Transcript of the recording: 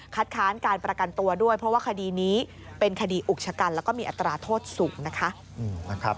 ค้านการประกันตัวด้วยเพราะว่าคดีนี้เป็นคดีอุกชะกันแล้วก็มีอัตราโทษสูงนะคะ